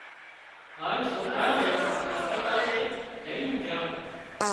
هانَ سوڪرا نين اسپتالئي لائينَ جھان